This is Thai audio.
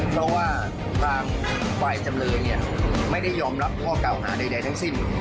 เพราะว่าทางฝ่ายจำเลยเนี่ยไม่ได้ยอมรับข้อเก่าหาใดทั้งสิ้น